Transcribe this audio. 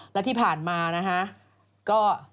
สวัสดีค่าข้าวใส่ไข่